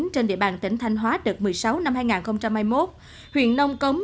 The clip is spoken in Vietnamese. trên địa bàn tỉnh thanh hóa đợt một mươi sáu năm hai nghìn hai mươi một huyện nông cống